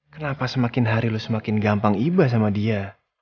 kenapa semakin hari lu semakin gampang ibah sama dia